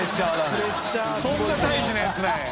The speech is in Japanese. そんな大事なやつなんや。